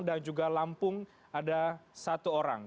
dan juga lampung ada satu orang